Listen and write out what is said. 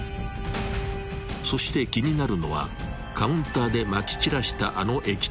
［そして気になるのはカウンターでまき散らしたあの液体］